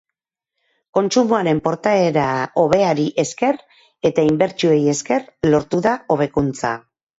Kontsumoaren portaera hobeari esker eta inbertsioei esker lortu da hobekuntza.